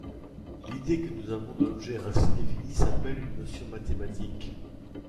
L’idée que nous avons de l’objet ainsi défini, s’appelle une notion mathématique.